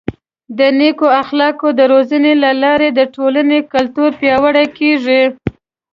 د نیکو اخلاقو د روزنې له لارې د ټولنې کلتور پیاوړی کیږي.